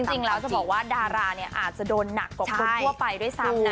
จริงแล้วจะบอกว่าดาราเนี่ยอาจจะโดนหนักกว่าคนทั่วไปด้วยซ้ำนะ